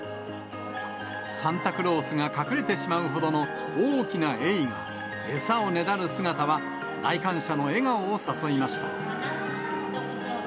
サンタクロースが隠れてしまうほどの大きなエイが、餌をねだる姿は、来館者の笑顔を誘いました。